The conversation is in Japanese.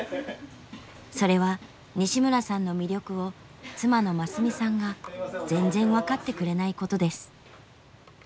それは西村さんの魅力を妻の真寿美さんが全然分かってくれないことです。